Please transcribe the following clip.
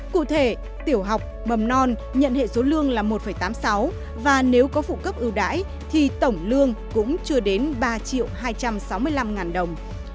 cụ thể tiểu học mầm non nhận hệ số lương là một tám mươi sáu và nếu có phụ cấp ưu đãi thì tổng lương cũng chưa đến ba hai trăm sáu mươi năm đồng